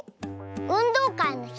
うんどうかいのひ